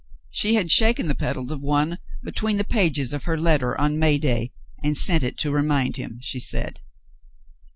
She had shaken the petals of one between the pages of her letter on May day, and sent it to remind him, she said.